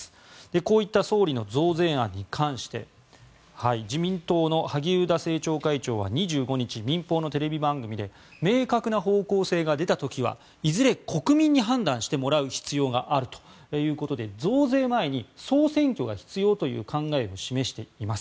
こういった総理の増税案に関して自民党の萩生田政調会長は２５日民放のテレビ番組で明確な方向性が出た時はいずれ国民に判断してもらう必要があるということで増税前に総選挙が必要という考えを示しています。